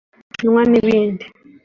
u Bushinwa n’ibindi